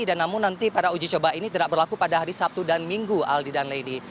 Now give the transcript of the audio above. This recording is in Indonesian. dan namun nanti pada uji coba ini tidak berlaku pada hari sabtu dan minggu aldi dan lady